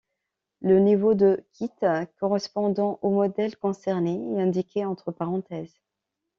Le niveau de kit correspondant aux modèles concernés est indiqué entre parenthèses.